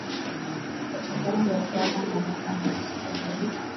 wachezaji wa uganda na rwanda wametusikiliza